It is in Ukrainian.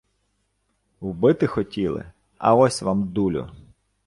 Вбити хотіли. А ось вам – дулю!